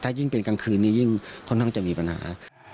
ถ้ายิ่งเป็นกลางคืนนี้ยิ่งค่อนข้างจะมีปัญหา